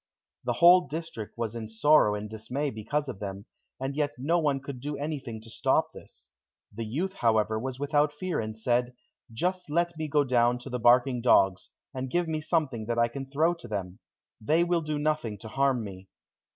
The whole district was in sorrow and dismay because of them, and yet no one could do anything to stop this. The youth, however, was without fear, and said, "Just let me go down to the barking dogs, and give me something that I can throw to them; they will do nothing to harm me."